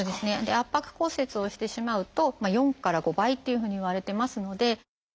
圧迫骨折をしてしまうと４から５倍っていうふうにいわれてますので。